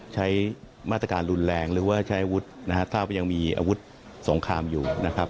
ใช้มาตรการรุนแรงหรือว่าใช้อาวุธนะฮะถ้ายังมีอาวุธสงครามอยู่นะครับ